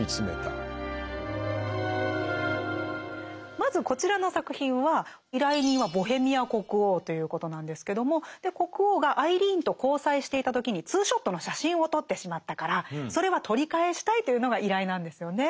まずこちらの作品は依頼人はボヘミア国王ということなんですけども国王がアイリーンと交際していた時にツーショットの写真を撮ってしまったからそれは取り返したいというのが依頼なんですよね。